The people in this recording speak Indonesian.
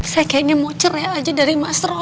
saya kayaknya mau cerai aja dari mas roy